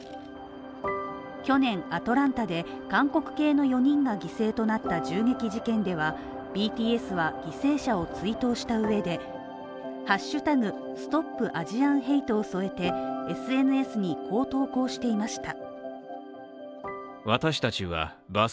去年、アトランタで韓国系の４人が犠牲となった銃撃事件ではＢＴＳは犠牲者を追悼したうえで「＃ＳｔｏｐＡｓｉａｎＨａｔｅ」を添えてＳＮＳにこう投稿していました。